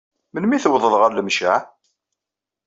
Melmi tewwḍeḍ ɣer Lemceɛ?